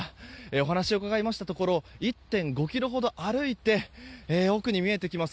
お話を伺いましたところ１．５ｋｍほど歩いて奥に見えてきます